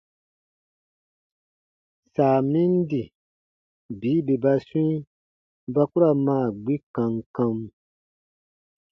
Saa min di bii bè ba swĩi ba k u ra maa gbi kam kam.